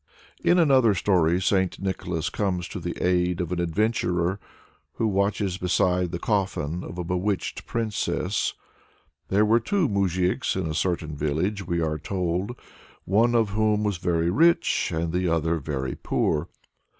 " In another story St. Nicholas comes to the aid of an adventurer who watches beside the coffin of a bewitched princess. There were two moujiks in a certain village, we are told, one of whom was very rich and the other very poor.